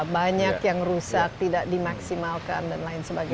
banyak yang rusak tidak dimaksimalkan dan lain sebagainya